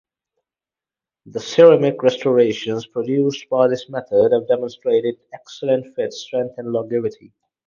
The ceramic restorations produced by this method have demonstrated excellent fit, strength and longevity.